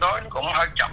tôi nói cũng hơi chậm